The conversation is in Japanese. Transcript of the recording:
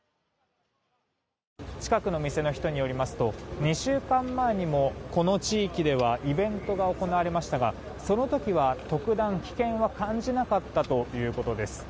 近くの店の人によりますと２週間前にも、この地域ではイベントが行われましたがその時は特段、危険は感じなかったということです。